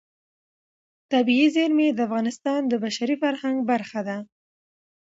طبیعي زیرمې د افغانستان د بشري فرهنګ برخه ده.